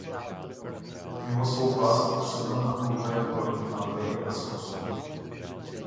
Mimo svou vlast působil na klubové úrovni v Anglii a Skotsku.